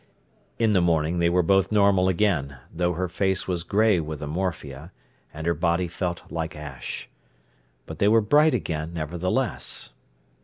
In the morning they were both normal again, though her face was grey with the morphia, and her body felt like ash. But they were bright again, nevertheless.